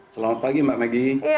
selamat pagi mbak maggie